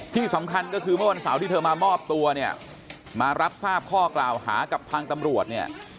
ที่สำคัญก็คือเมื่อวันเสาร์ที่เธอมามอบตัวเนี่ยมารับทราบข้อกล่าวหากับทางตำรวจเนี่ย